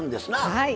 はい。